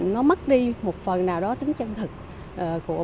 nó mất đi một phần nào đó tính chân thực của